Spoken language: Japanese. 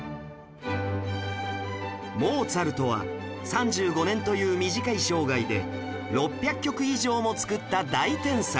モーツァルトは３５年という短い生涯で６００曲以上も作った大天才